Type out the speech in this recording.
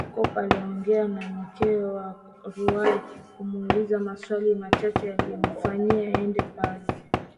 Jacob aliongea na mke wa Ruhala na kumuuliza maswali machache yaalomfanya aende pale